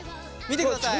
見てください。